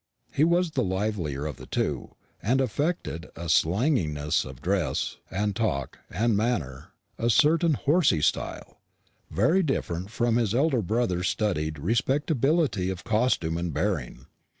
He was the livelier of the two, and affected a slanginess of dress and talk and manner, a certain "horsey" style, very different from his elder brother's studied respectability of costume and bearing.